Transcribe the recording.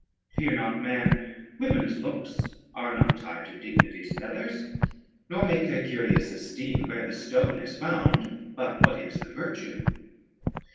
Fear not, man, women's looks are not tied to dignity's feathers, nor make they curious esteem where the stone is found, but what is the virtue.